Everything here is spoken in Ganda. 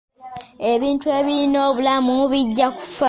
Ebintu ebirina obulamu byonna bijja kufa.